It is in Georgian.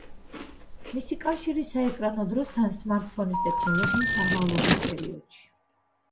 მისი კავშირი საეკრანო დროსთან სმარტფონის ტექნოლოგიის აღმავლობის პერიოდში“.